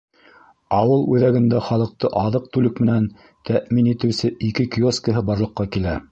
Ауыл үҙәгендә халыҡты аҙыҡ-түлек менән тәьмин итеүсе ике киоскыһы барлыҡҡа килә.